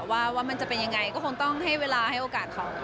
ว่ามันจะเป็นยังไงก็คงต้องให้เวลาให้โอกาสเขา